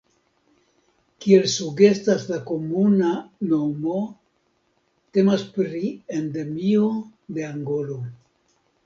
Kiel sugestas la komuna nomo, temas pri Endemio de Angolo.